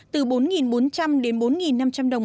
từ bốn bốn trăm linh đến bốn năm trăm linh đồng